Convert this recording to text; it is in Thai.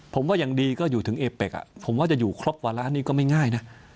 ผมว่ายังดีก็อยู่ถึงเอเป็กผมว่าจะอยู่ครบวาระนี้ก็ไม่ง่ายนะ